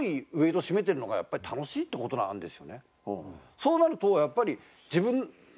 そうなるとやっぱり。